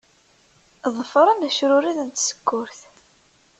Ḍefṛen acrured n tsekkurt.